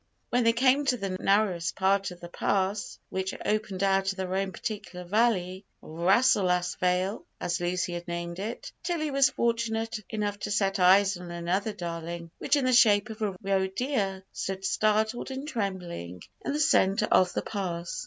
When they came to the narrowest part of the pass which opened out of their own particular valley Rasselas Vale, as Lucy had named it Tilly was fortunate enough to set eyes on another "darling," which, in the shape of a roe deer, stood, startled and trembling, in the centre of the pass.